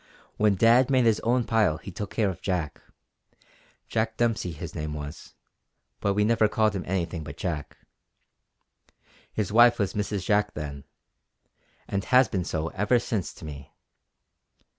When Dad made his own pile he took care of Jack Jack Dempsey his name was, but we never called him anything but Jack. His wife was Mrs. Jack then, and has been so ever since to me.